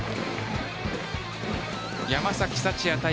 山崎福也対